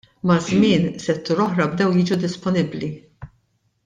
Maż-żmien, setturi oħra bdew jiġu disponibbli.